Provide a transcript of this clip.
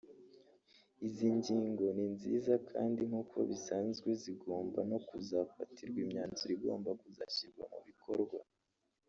Izi ngingo ni nziza kandi nk’uko bisanzwe zigomba no kuzafatirwa imyanzuro igomba kuzashyirwa mu bikorwa